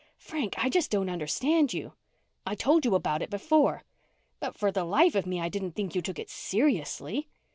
Frank, I just don't understand you." "I told you about it before." "But for the life of me I didn't think you took it seriously."